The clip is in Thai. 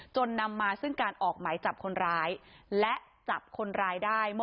จนนำมาซึ่งการออกไหมจับคนร้าย